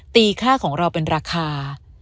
ตีค่าของเราเป็นราคา